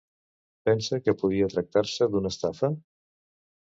Pensa que podria tractar-se d'una estafa?